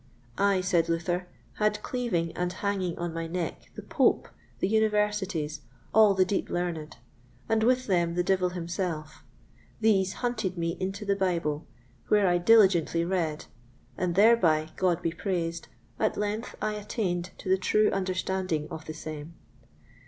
I, said Luther, had cleaving and hanging on my neck the Pope, the Universities, all the deep learned, and with them the devil himself; these hunted me into the Bible, where I diligently read, and thereby, God be praised, at length I attained to the true understanding of the same.